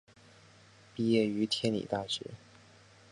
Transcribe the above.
毕业于天理大学。